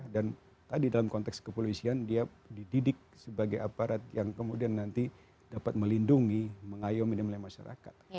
dan tadi dalam konteks kepolisian dia dididik sebagai aparat yang kemudian nanti dapat melindungi mengayomi nilai nilai masyarakat